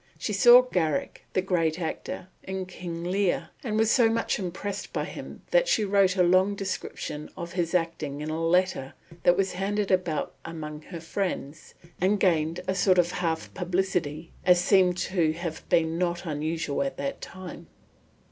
She saw Garrick, the great actor, in King Lear, and was so much impressed by him that she wrote a long description of his acting in a letter that was handed about among her friends and gained a sort of half publicity, as seems to have been not unusual at that time.